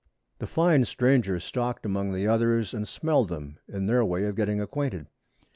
The fine stranger stalked among the others and smelled them, in their way of getting acquainted.